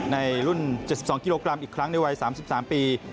ในรุ่น๗๒กิโลกรัมอีกครั้งในวัย๓๓ปี